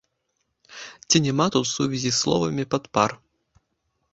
Ці няма тут сувязі з словамі падпар.